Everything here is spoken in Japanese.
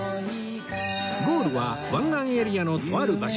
ゴールは湾岸エリアのとある場所